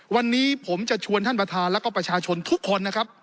วันนี้ผมจะชวนท่านประธานแล้วก็ประชาชนทุกคนนะครับ